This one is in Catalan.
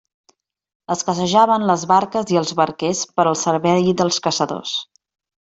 Escassejaven les barques i els barquers per al servei dels caçadors.